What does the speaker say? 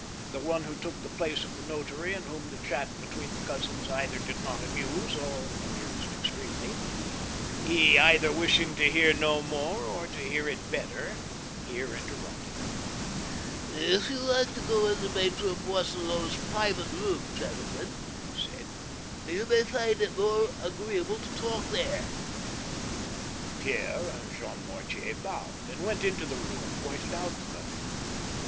The one who took the place of the notary, and whom the chat be tween the cousins either did not amuse or amused extremely, either wishing to hear no more or to hear it better, here interrupted them :" If you like to go into Maitre Boisselot's private room, gentle men," he said, you may find it more agreeable to talk there." Pierre and Jean Mortier bowed, and went into the room pointed out to them.